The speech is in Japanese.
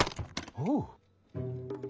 おう。